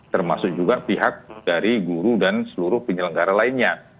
termasuk juga pihak dari guru dan seluruh penyelenggara lainnya